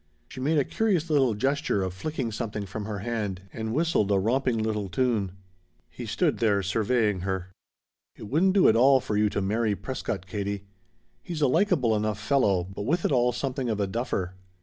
She made a curious little gesture of flicking something from her hand and whistled a romping little tune. He stood there surveying her. "It wouldn't do at all for you to marry Prescott, Katie. He's a likeable enough fellow, but with it all something of a duffer."